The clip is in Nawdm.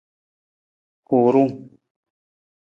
Hurung.